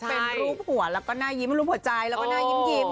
เป็นรูปหัวแล้วก็หน้ายิ้มรูปหัวใจแล้วก็หน้ายิ้มอย่างเงี้ยแหละ